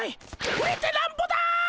売れてなんぼだ！